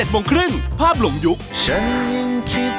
๗โมงครึ่งภาพหลงยุค